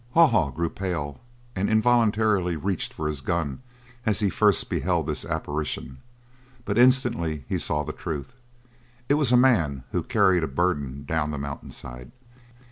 Haw Haw grew pale and involuntarily reached for his gun as he first beheld this apparition, but instantly he saw the truth. It was a man who carried a burden down the mountain side.